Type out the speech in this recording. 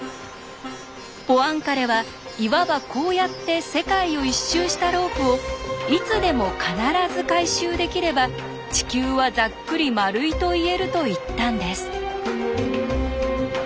ポアンカレはいわばこうやって世界を一周したロープを「いつでも必ず回収できれば地球はざっくり丸いと言える」と言ったんです。